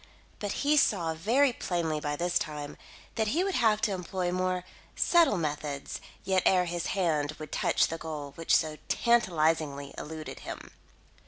But he saw, very plainly by this time, that he would have to employ more subtle methods yet ere his hand would touch the goal which so tantalisingly eluded him.